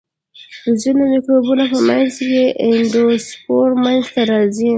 د ځینو مکروبونو په منځ کې اندوسپور منځته راځي.